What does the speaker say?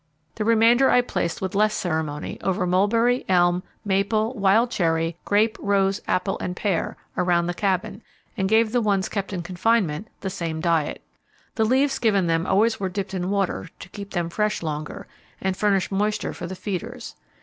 The remainder I placed with less ceremony, over mulberry, elm, maple, wild cherry, grape, rose, apple, and pear, around the Cabin, and gave the ones kept in confinement the same diet. The leaves given them always were dipped in water to keep them fresh longer, and furnish moisture for the feeders.